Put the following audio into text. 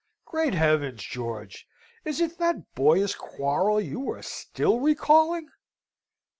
"Great heavens, George! is it that boyish quarrel you are still recalling?"